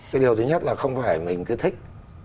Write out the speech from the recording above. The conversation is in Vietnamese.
cái điều thứ nhất là không phải mình cứ thích